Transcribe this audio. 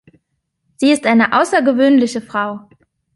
Sie ist eine außergewöhnliche Frau.